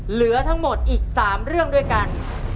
เหลือทั้งหมดอีก๓เรื่องด้วยกัน